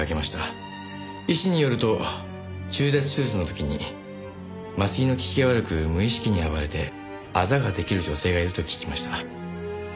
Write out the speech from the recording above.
医師によると中絶手術の時に麻酔の効きが悪く無意識に暴れてアザが出来る女性がいると聞きました。